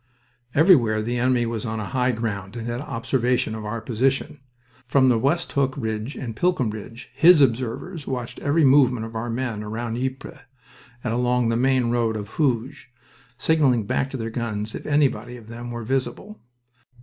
Everywhere the enemy was on high ground and had observation of our position. From the Westhook Ridge and the Pilkem Ridge his observers watched every movement of our men round Ypres, and along the main road to Hooge, signaling back to their guns if anybody of them were visible.